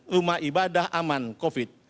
rumah ibadah aman covid sembilan belas